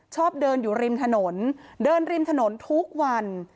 ชอบเดินอยู่ริมถนนเดินริมถนนทุกวัน